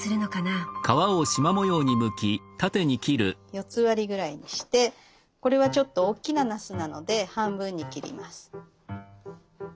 四つ割りぐらいにしてこれはちょっとおっきななすなので半分に切ります。